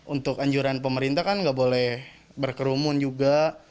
untuk anjuran pemerintah kan nggak boleh berkerumun juga